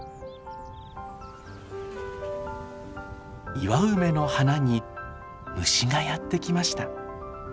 イワウメの花に虫がやって来ました。